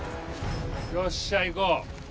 よっしゃ行こう。